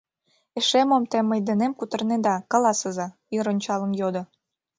— Эше мом те мый денем кутырынеда, каласыза?! — йыр ончалын йодо.